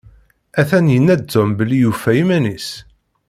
Atan yenna-d Tom belli yufa iman-is.